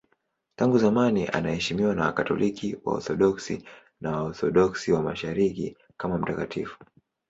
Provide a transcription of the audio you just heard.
Tangu zamani anaheshimiwa na Wakatoliki, Waorthodoksi na Waorthodoksi wa Mashariki kama mtakatifu.